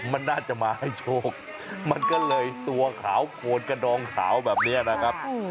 มันน่าจะมาให้โชคมันก็เลยตัวขาวโคนกระดองขาวแบบนี้นะครับ